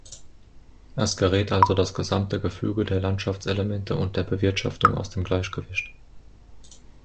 Es gerät also das gesamte Gefüge der Landschaftselemente und der Bewirtschaftung aus dem „Gleichgewicht“.